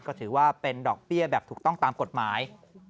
ก็ถือว่าเป็นดอกเบี้ยแบบถูกต้องตามกฎหมาย